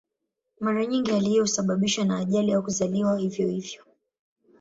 Mara nyingi hali hiyo husababishwa na ajali au kuzaliwa hivyo hivyo.